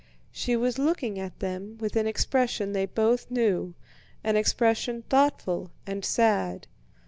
She was looking at them with an expression they both knew, an expression thoughtful and sad.